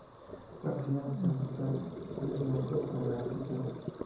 La oficina del Censo esta vez no usó formularios extensos.